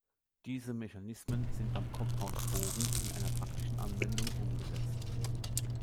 Diese Mechanismen sind beim Compoundbogen in einer praktischen Anwendung umgesetzt.